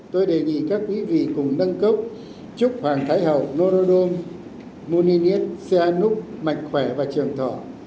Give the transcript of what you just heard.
tôi đề nghị các quý vị cùng nâng cấp chúc hoàng thái hậu norodom muninyet sehanouk mạnh khỏe và trường thọ